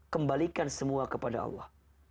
kembalikan semua kepada allah